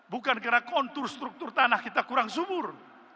bukan karena kontur struktur tanah kita kurang subur